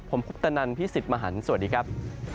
ผมคุปตะนันพี่สิทธิ์มหันฯสวัสดีครับ